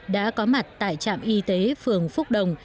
đã có mặt tại trạm y tế phường phúc đồng